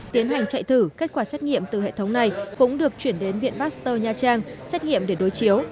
tiến hành chạy thử kết quả xét nghiệm từ hệ thống này cũng được chuyển đến viện pasteur nha trang xét nghiệm để đối chiếu